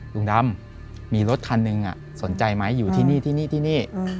ลุงดำมีรถคันนึงสนใจไหมอยู่ที่นี่